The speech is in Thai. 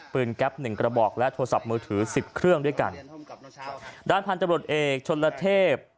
แก๊ปหนึ่งกระบอกและโทรศัพท์มือถือสิบเครื่องด้วยกันด้านพันธบรวจเอกชนละเทพ